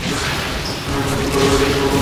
তা নিয়ে কথা কাটাকাটি করব না।